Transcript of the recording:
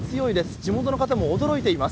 地元の方も驚いています。